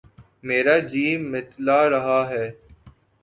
میرا جی متلا رہا ہے